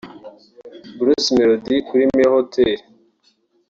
Bruce Melody kuri Mirror Hotel